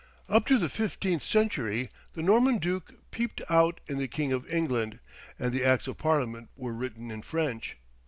Up to the fifteenth century the Norman Duke peeped out in the King of England, and the acts of Parliament were written in French.